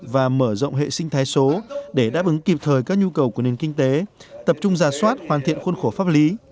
và mở rộng hệ sinh thái số để đáp ứng kịp thời các nhu cầu của nền kinh tế tập trung giả soát hoàn thiện khuôn khổ pháp lý